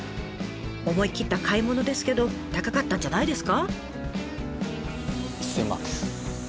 思い切った買い物ですけど高かったんじゃないですか？